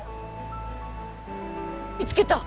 見つけた！